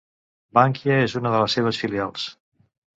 Bankia és una de les seves filials.